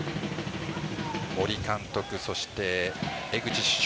森監督そして江口主将